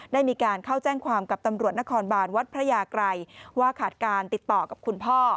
ได้มีการเข้าแจ้งความกับตำรวจนครบานวัดพระยากรัยว่าขาดการติดต่อกับคุณพ่อ